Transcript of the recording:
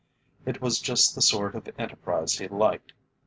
It was just the sort of enterprise he liked.